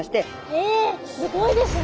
えすごいですね！